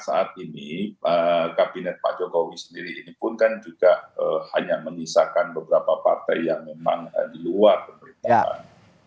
saat ini kabinet pak jokowi sendiri ini pun kan juga hanya menisahkan beberapa partai yang memang di luar pemerintahan